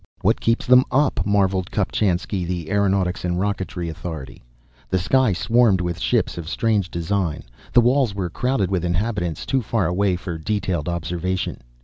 "What keeps them up!" marvelled Kopchainski, the aeronautics and rocketry authority. The sky swarmed with ships of strange design. The walls were crowded with inhabitants, too far away for detailed observation.